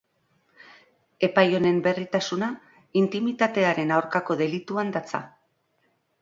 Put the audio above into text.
Epai honen berritasuna intimitatearen aurkako delituan datza.